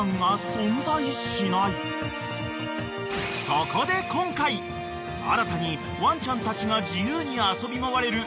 ［そこで今回新たにワンちゃんたちが自由に］